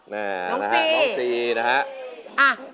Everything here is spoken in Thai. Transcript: น้องซีนะครับ